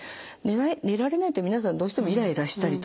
寝られないと皆さんどうしてもイライラしたりとかですね